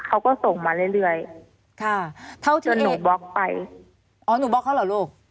เขาก็ส่งมาเรื่อยเรื่อยค่ะเท่าที่หนูบล็อกไปอ๋อหนูบล็อกเขาเหรอลูก